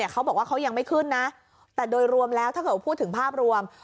เขาบอกว่าเขายังไม่ขึ้นนะแต่โดยรวมแล้วถ้าเกิดพูดถึงภาพรวม